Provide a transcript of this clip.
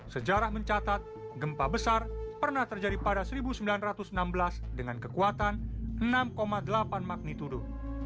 sejarah mencatat gempa besar pernah terjadi pada seribu sembilan ratus enam belas dengan kekuatan enam delapan magnitudo